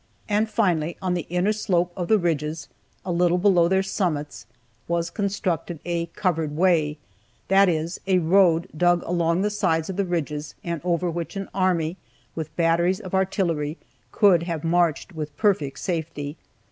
And finally, on the inner slope of the ridges, a little below their summits, was constructed a "covered way;" that is, a road dug along the sides of the ridges, and over which an army, with batteries of artillery, could have marched with perfect safety.